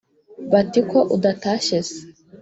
bati ko udatashye se?